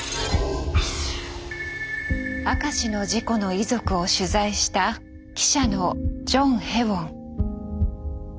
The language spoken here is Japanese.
明石の事故の遺族を取材した記者のジョン・へウォン。